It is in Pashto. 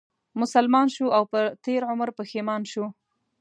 مسلمان شو او په تېر عمر پښېمان شو